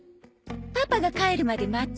パパが帰るまで待つ？